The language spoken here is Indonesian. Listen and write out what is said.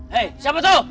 hei siapa itu